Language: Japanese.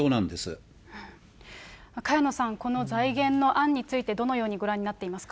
萱野さん、この財源の案についてどのようにご覧になっていますか。